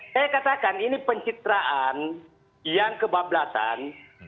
saya katakan ini pencitraan yang kebablasan